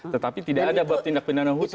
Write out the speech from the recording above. tetapi tidak ada tindak pindahan khusus